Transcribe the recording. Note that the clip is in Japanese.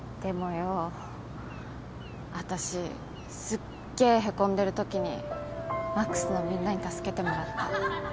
すっげえへこんでるときに魔苦須のみんなに助けてもらった。